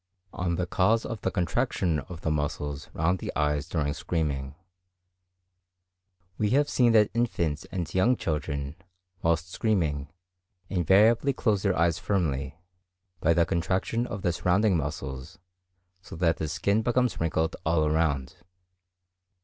On the cause of the contraction of the muscles round the eyes during screaming.—We have seen that infants and young children, whilst screaming, invariably close their eyes firmly, by the contraction of the surrounding muscles, so that the skin becomes wrinkled all around.